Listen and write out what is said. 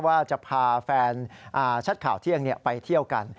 ว่าจะพาแฟนชัดข่าวเที่ยงไปเที่ยวกัน